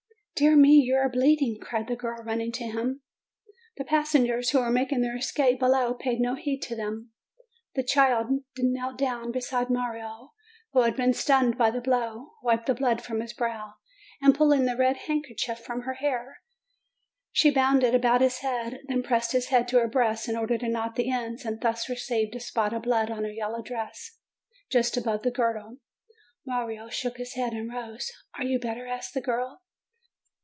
"Dear me, you are bleeding!" cried the girl, run ning to him. The passengers who were making their escape below, paid no heed to them. The child knelt down beside Mario, who had been stunned by the blow, wiped the blood from his brow, and pulling the red kerchief from her hair, she bound it about his head, then pressed his head to her breast in order to knot the ends, and thus received a spot of blood on her yellow dress just above the girdle. Mario shook himself and rose: "Are you better?" asked the girl.